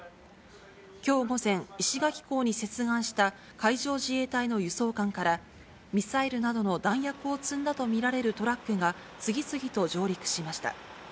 きょう午前、石垣港に接岸した海上自衛隊の輸送艦から、ミサイルなどの弾薬を積んだと見られるトラックが、次々と上陸しました。